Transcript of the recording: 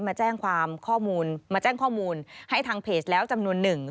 มาแจ้งข้อมูลให้ทางเพจแล้วจำนวนหนึ่ง